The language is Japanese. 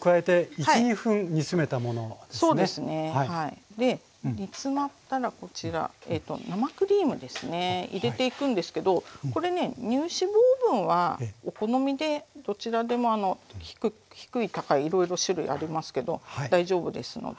これで煮詰まったらこちら生クリームですね入れていくんですけどこれね乳脂肪分はお好みでどちらでも低い高いいろいろ種類ありますけど大丈夫ですので。